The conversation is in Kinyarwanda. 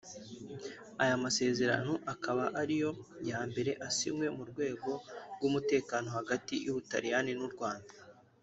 Aya masezerano akaba ariyo ya mbere asinywe mu rwego rw’umutekano hagati y’Ubutaliyani n’u Rwanda